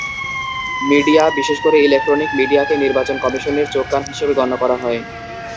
Media, বিশেষ করে electronic মিডিয়াকে নির্বাচন কমিশনের চোখ-কান হিসেবে গণ্য করা হয়।